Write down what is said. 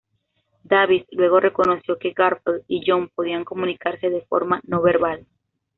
Davis luego reconoció que Garfield y Jon podían "comunicarse de forma no verbal".